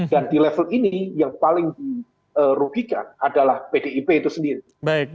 dan di level ini yang paling dirugikan adalah bdip itu sendiri